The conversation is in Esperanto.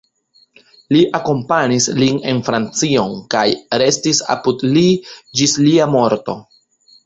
Li akompanis lin en Francion kaj restis apud li ĝis lia morto.